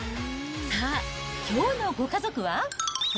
さあ、きょうのご家族は。